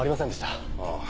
ああ。